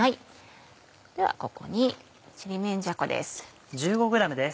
ではここにちりめんじゃこです。